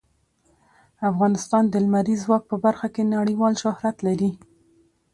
افغانستان د لمریز ځواک په برخه کې نړیوال شهرت لري.